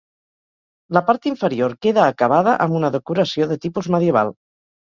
La part inferior queda acabada amb una decoració de tipus medieval.